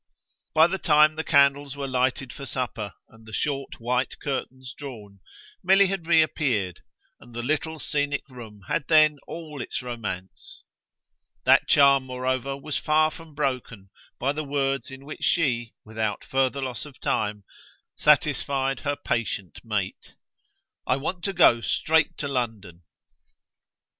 By the time the candles were lighted for supper and the short white curtains drawn Milly had reappeared, and the little scenic room had then all its romance. That charm moreover was far from broken by the words in which she, without further loss of time, satisfied her patient mate. "I want to go straight to London."